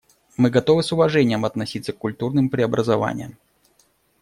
Мы готовы с уважением относиться к культурным преобразованиям.